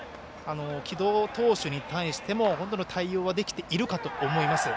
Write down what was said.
城戸投手に対しても対応はできているかと思います。